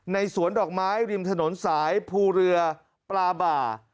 สวนดอกไม้ริมถนนสายภูเรือปลาบ่า